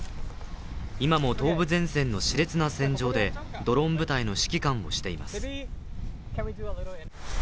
今も東部前線のしれつな戦場でドローン部隊の指揮官をしています。